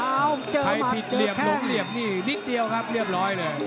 ใครผิดเหลี่ยมหลงเหลี่ยมนี่นิดเดียวครับเรียบร้อยเลย